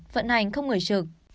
vận hành không người trực